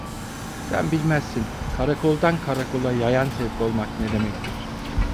Sen bilmezsin, karakoldan karakola yayan sevk olmak ne demektir.